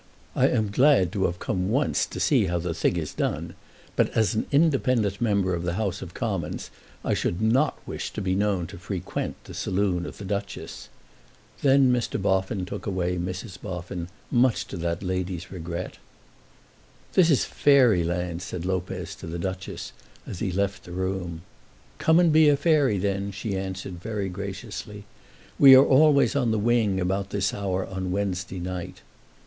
I am glad to have come once to see how the thing is done; but as an independent member of the House of Commons I should not wish to be known to frequent the saloon of the Duchess." Then Mr. Boffin took away Mrs. Boffin, much to that lady's regret. "This is fairy land," said Lopez to the Duchess, as he left the room. "Come and be a fairy then," she answered, very graciously. "We are always on the wing about this hour on Wednesday night."